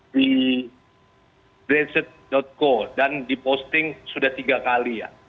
di brandset co dan diposting sudah tiga kali ya